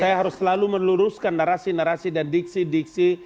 saya harus selalu meluruskan narasi narasi dan diksi diksi